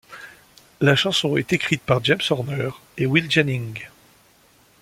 La chanson est écrite par James Horner et Will Jennings.